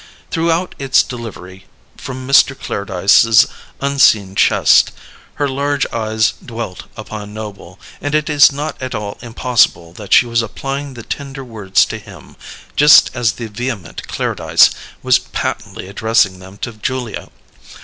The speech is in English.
Throughout its delivery from Mr. Clairdyce's unseen chest, her large eyes dwelt upon Noble, and it is not at all impossible that she was applying the tender words to him, just as the vehement Clairdyce was patently addressing them to Julia.